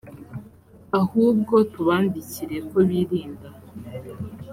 ahubwo tubandikire ko birinda